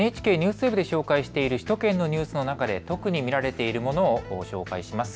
ＮＨＫＮＥＷＳＷＥＢで紹介している首都圏のニュースの中で特に見られているものを紹介します。